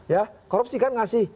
ya korupsi kan ngasih